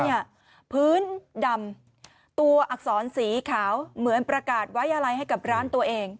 พื้นดำตัวอักษรสีขาวเหมือนประกาศไว้อะไรให้กับร้านตัวเอง